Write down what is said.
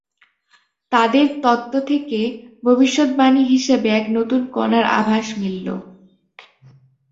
তাঁদের তত্ত্ব থেকে ভবিষ্যদ্বাণী হিসেবে এক নতুন কণার আভাস মিলল।